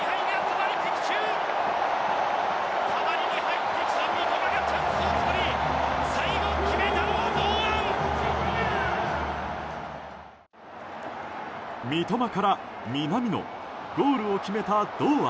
代わりに入ってきた三笘がチャンスを作り最後決めたのは堂安。